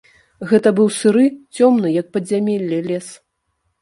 Гэта быў сыры, цёмны, як падзямелле, лес.